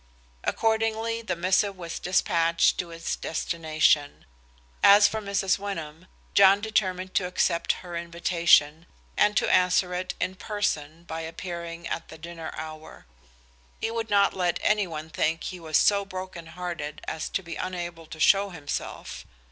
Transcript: Accordingly the missive was dispatched to its destination. As for Mrs. Wyndham, John determined to accept her invitation, and to answer it in person by appearing at the dinner hour. He would not let any one think he was so broken hearted as to be unable to show himself.